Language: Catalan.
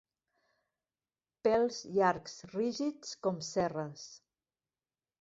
Pèls llargs rígids com cerres.